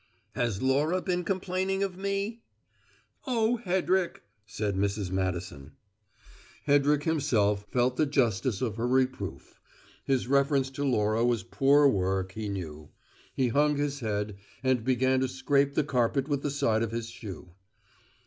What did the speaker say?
"Has Laura been complaining of me?" "Oh, Hedrick!" said Mrs. Madison. Hedrick himself felt the justice of her reproof: his reference to Laura was poor work, he knew. He hung his head and began to scrape the carpet with the side of his shoe.